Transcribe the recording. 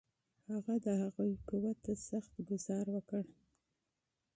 هغه د هغوی قوت ته سخت ګوزار ورکړ.